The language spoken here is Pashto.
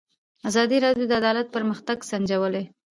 ازادي راډیو د عدالت پرمختګ سنجولی.